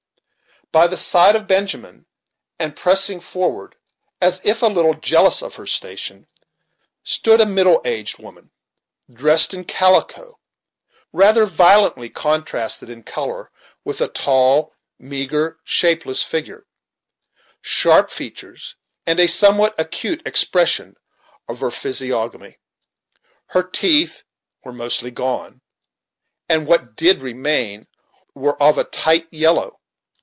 By the side of Benjamin, and pressing forward as if a little jealous of her station, stood a middle aged woman, dressed in calico, rather violently contrasted in color with a tall, meagre, shapeless figure, sharp features, and a somewhat acute expression of her physiognomy. Her teeth were mostly gone, and what did remain were of a tight yellow.